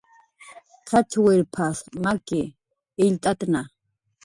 "qachwirp""as maki, illt'atna"